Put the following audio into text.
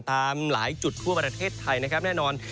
ตามหลายจุดทั่วประเทศไทยนะครับแน่นอน